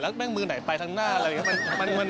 แล้วนั่งมือไหนไปทางหน้าอะไรอย่างนี้